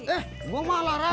eh gue malah olahraga